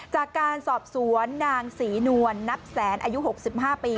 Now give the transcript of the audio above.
จากการสอบสวนนางศรีนวลนับแสนอายุ๖๕ปี